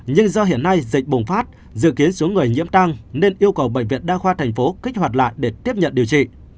nhưng do hiện nay dịch bùng phát dự kiến số người nhiễm tăng nên yêu cầu bệnh viện đa khoa thành phố kích hoạt lại để tiếp nhận điều trị